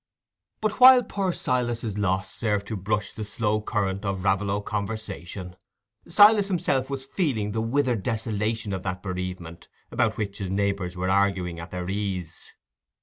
But while poor Silas's loss served thus to brush the slow current of Raveloe conversation, Silas himself was feeling the withering desolation of that bereavement about which his neighbours were arguing at their ease.